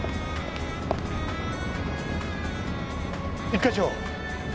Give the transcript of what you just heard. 一課長。